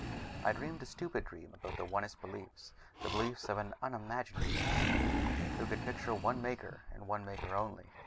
I dreamed a stupid dream about the Onist beliefs, the beliefs of an unimaginative people who could picture one Maker and one Maker only.